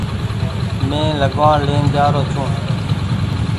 مينٚ لگوآڻ لين جآرو ڇوٚنٚ